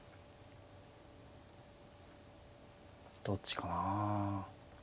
どっちかな。